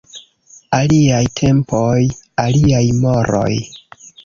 Aliaj tempoj, aliaj moroj.